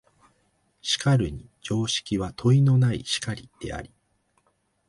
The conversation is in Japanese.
しかるに常識は問いのない然りであり、